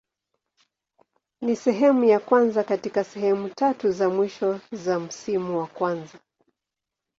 Ni sehemu ya kwanza katika sehemu tatu za mwisho za msimu wa kwanza.